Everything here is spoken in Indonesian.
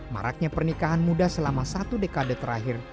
maraknya pernikahan muda selama satu dekade terakhir